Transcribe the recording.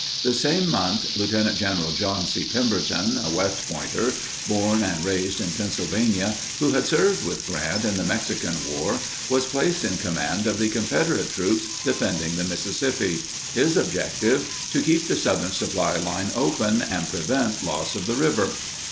The same month, Lt. Gen. John C. Pemberton, a West Pointer, born and raised in Pennsylvania, who had served with Grant in the Mexican War, was placed in command of the Confederate troops defending the Mississippi; his objective—to keep the Southern supply line open and prevent loss of the river.